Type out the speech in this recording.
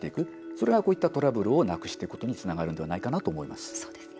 それが、こういったトラブルをなくしていくことにつながるんではないかなと思います。